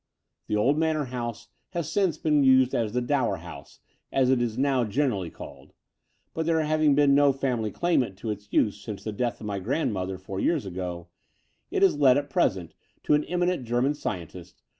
The old manor house has since been used as the Dower House, as it is now generally called: but, there having been no family claimant to its use since the death of my grandmother four years ago, it is let at present to an eminent German scientist.